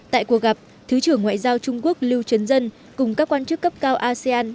tại cuộc gặp thứ trưởng ngoại giao trung quốc liu chenzhen cùng các quan chức cấp cao asean